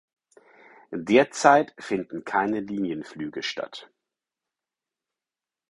Derzeit finden keine Linienflüge statt.